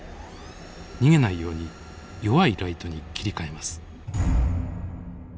逃げないように弱いライトに切り替えます。